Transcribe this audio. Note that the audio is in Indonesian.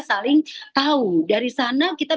saling tahu dari sana kita